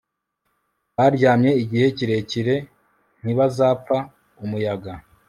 baryamye igihe kirekire ntibazapfa umuyaga